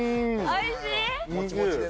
おいしい？